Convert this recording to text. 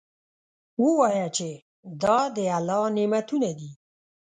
ووایه چې دا د الله نعمتونه دي.